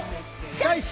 チョイス！